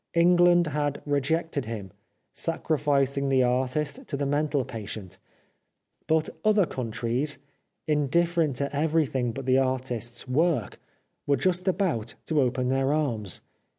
England had rejected him, sacrificing the artist to the mental patient, but other countries, indifferent to everything but the 423 The Life of Oscar Wilde artist's work, were just about to open their arms.